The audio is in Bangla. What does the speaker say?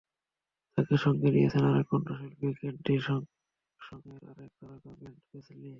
তাঁকে সঙ্গ দিয়েছেন আরেক কণ্ঠশিল্পী, কান্ট্রি সংয়ের আরেক তারকা ব্র্যাড পেসলি।